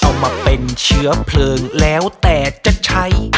เอามาเป็นเชื้อเพลิงแล้วแต่จะใช้